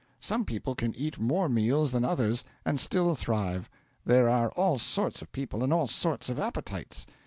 Some people can eat more meals than others, and still thrive. There are all sorts of people, and all sorts of appetites.